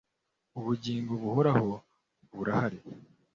ubugingo buhoraho burahari.